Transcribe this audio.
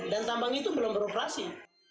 dan tambang itu belum beroperasi